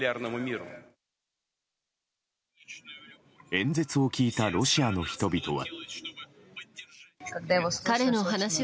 演説を聞いたロシアの人々は。